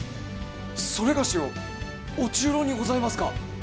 それがしを御中臈にございますか！？